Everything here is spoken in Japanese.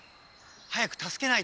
早くたすけないと！